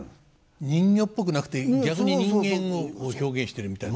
人形っぽくなくて逆に人間を表現してるみたいな。